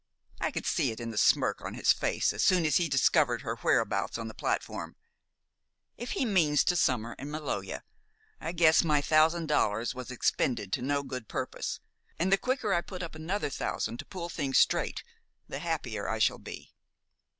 I could see it in the smirk on his face as soon as he discovered her whereabouts on the platform. If he means to summer at Maloja, I guess my thousand dollars was expended to no good purpose, and the quicker I put up another thousand to pull things straight the happier I shall be.